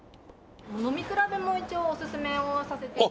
飲み比べも一応おすすめをさせて頂いて。